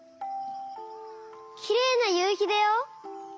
きれいなゆうひだよ！